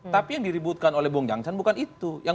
tapi yang diributkan oleh bung jansan bukan itu